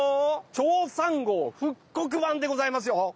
チョーさん号復刻版でございますよ。